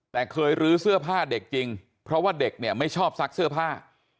แต่เคยรื้อเสื้อผ้าเด็กจริงเพราะว่าเด็กเนี่ยไม่ชอบซักเสื้อผ้า